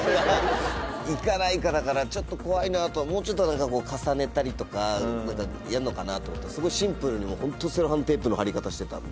ちょっと怖いなともうちょっと重ねたりとかやんのかなと思ったらすごいシンプルにホントセロハンテープの貼り方してたんで。